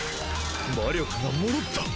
魔力が戻った！？